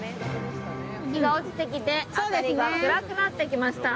日が落ちてきて辺りが暗くなってきました。